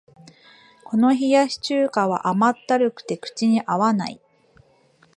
この冷やし中華は甘ったるくて口に合わない